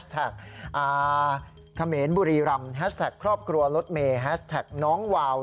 แล้วก็แฮชแท็กอ่า